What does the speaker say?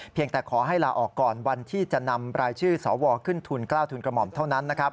แต่ขอให้ลาออกก่อนวันที่จะนำรายชื่อสวขึ้นทุน๙ทุนกระหม่อมเท่านั้น